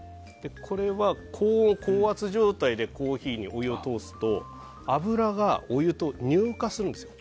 これは高温、高圧状態でコーヒーにお湯を通すと油がお湯と乳化するんですよ。